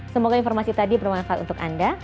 semoga informasi tadi bermanfaat untuk anda